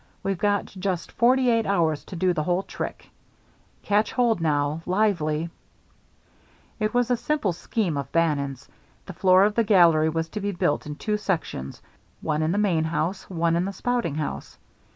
We've got just forty eight hours to do the whole trick. Catch hold now lively." [Illustration: IT WAS A SIMPLE SCHEME] It was a simple scheme of Bannon's. The floor of the gallery was to be built in two sections, one in the main house, one in the spouting house.